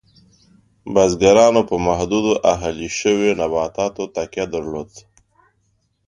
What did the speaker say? بزګرانو په محدودو اهلي شویو نباتاتو تکیه درلود.